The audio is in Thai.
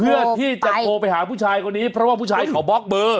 เพื่อที่จะโทรไปหาผู้ชายคนนี้เพราะว่าผู้ชายเขาบล็อกเบอร์